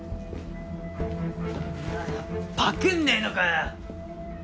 なあパクんねえのかよ！